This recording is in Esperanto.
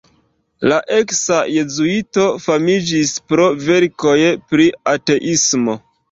La eksa jezuito famiĝis pro verkoj pri ateismo.